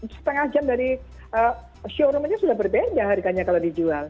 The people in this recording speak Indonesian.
setengah jam dari showroomnya sudah berbeda harganya kalau dijual